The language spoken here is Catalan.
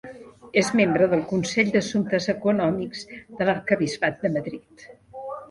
És membre del Consell d'Assumptes Econòmics de l'Arquebisbat de Madrid.